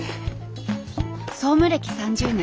総務歴３０年。